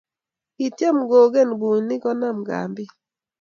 kityem kuken bunyik konam kambit.